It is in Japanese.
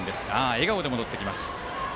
笑顔で戻ってきました。